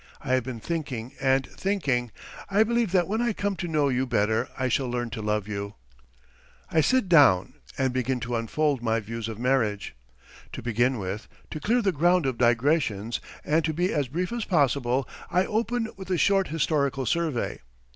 ... I have been thinking and thinking. ... I believe that when I come to know you better I shall learn to love you. ..." I sit down, and begin to unfold my views of marriage. To begin with, to clear the ground of digressions and to be as brief as possible, I open with a short historical survey.